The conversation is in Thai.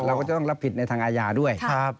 เราก็จะต้องรับผิดในทางอาญาด้วย